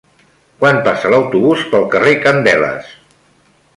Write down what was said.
Quan passa l'autobús pel carrer Candeles?